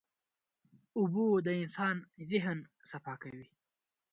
اوبه د انسان ذهن صفا کوي.